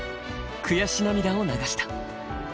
悔し涙を流した。